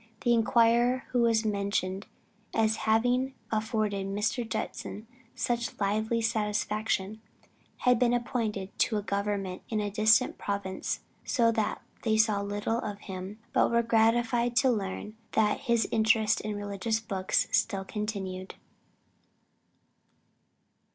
The inquirer who was mentioned as having afforded Mr. Judson such lively satisfaction, had been appointed to a government in a distant province, so that they saw little of him, but were gratified to learn that his interest in religious books still continued.